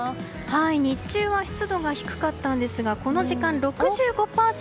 日中は湿度が低かったんですがこの時間、６５％。